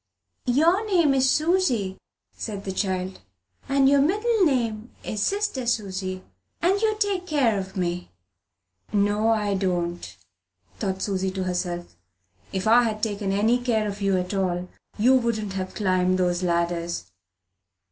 "Your name is Susy," said the child; "and your middle name is Sister Susy, and you take the care o' me!" "No, I don't," thought Susy to herself. "If I had taken any care of you at all, you wouldn't have climbed those ladders."